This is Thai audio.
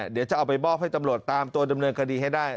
เดี๋ยวจะเอาไปมอบให้ตำรวจตามตัวดำเนินคดีให้ได้